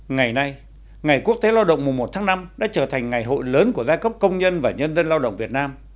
ngày nay ngày quốc tế lao động mùa một tháng năm đã trở thành ngày hội lớn của giai cấp công nhân và nhân dân lao động việt nam